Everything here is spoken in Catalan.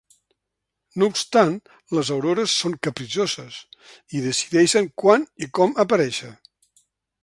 No obstant, les aurores són capritxoses i decideixen quan i com aparèixer.